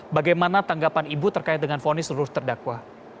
bagaimana tanggapan ibu terkait dengan fonis seluruh terdakwa